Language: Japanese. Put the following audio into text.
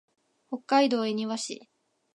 北海道恵庭市